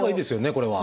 これは。